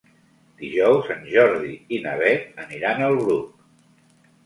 Dijous en Jordi i na Beth aniran al Bruc.